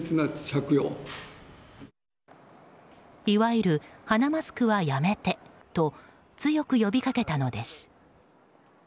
いわゆる鼻マスクはやめてと強く呼びかけたのです。